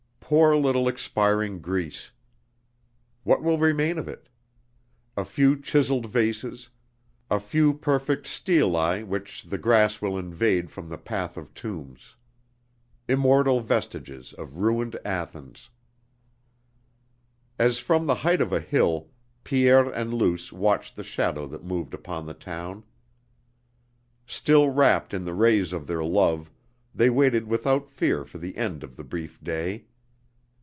"Poor little expiring Greece!" What will remain of it? A few chiseled vases, a few perfect stelae which the grass will invade from the Path of Tombs. Immortal vestiges of ruined Athens.... As from the height of a hill, Pierre and Luce watched the shadow that moved upon the town. Still wrapped in the rays of their love, they waited without fear for the end of the brief day.